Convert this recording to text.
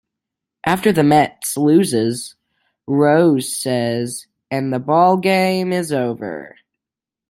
After Mets losses, Rose says "and the ballgame is over".